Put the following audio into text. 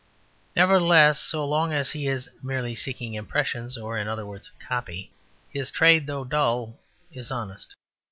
Nevertheless, so long as he is merely seeking impressions, or in other words copy, his trade, though dull, is honest.